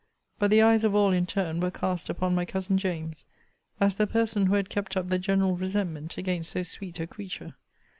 But the eyes of all, in turn, were cast upon my cousin James, as the person who had kept up the general resentment against so sweet a creature.